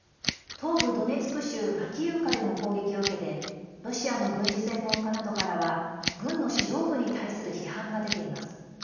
東部ドネツク州マキイウカでの攻撃を受けてロシアの軍事専門家などからは軍の指導部に対する批判が出ています。